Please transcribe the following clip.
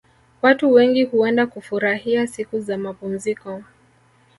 Watu wengi huenda kufurahia siku za mapumziko